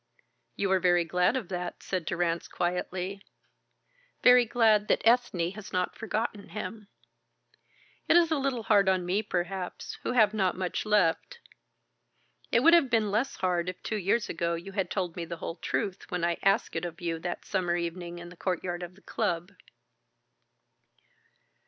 "You are very glad of that," said Durrance, quietly. "Very glad that Ethne has not forgotten him. It is a little hard on me, perhaps, who have not much left. It would have been less hard if two years ago you had told me the whole truth, when I asked it of you that summer evening in the courtyard of the club."